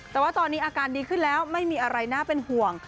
แต่ว่าตอนนี้อาการดีขึ้นแล้วไม่มีอะไรน่าเป็นห่วง